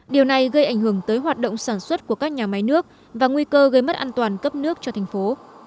điều này gây ảnh hưởng tới hoạt động sản xuất của các nhà máy nước và nguy cơ gây mất an toàn cấp nước cho thành phố